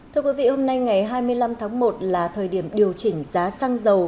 thưa quý vị hôm nay ngày hai mươi năm tháng một là thời điểm điều chỉnh giá xăng dầu